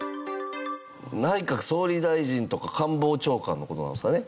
内閣総理大臣とか官房長官の事なんですかね。